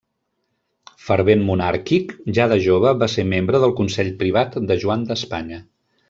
Fervent monàrquic, ja de jove va ser membre del Consell Privat de Joan d'Espanya.